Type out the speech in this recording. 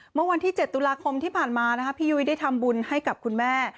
เมื่อวันที่๗ตุลาคมที่ผ่านมานะคะพี่ยุ้ยได้ทำบุญให้กับคุณแม่